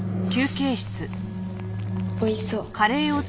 おいしそう。